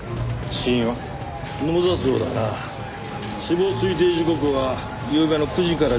死亡推定時刻はゆうべの９時から１１時。